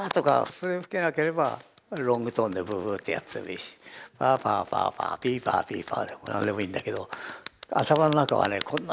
それで吹けなければロングトーンでブブーッてやってもいいしパーパーパーパーピーパーピーパーでも何でもいいんだけど頭の中はねこんなふう。